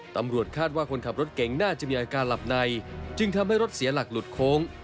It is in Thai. ตำรวจคาดว่าคนขับรถเก๋งน่าจะมีอาการหลับในจึงทำให้รถเสียหลักหลุดโค้ง